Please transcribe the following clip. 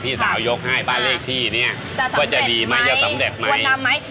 พ่อเสือจะยกให้บ้านเลขที่เนี่ยจะสำเร็จไหมวดน้ำไหม